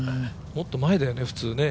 もっと前だよね、普通ね。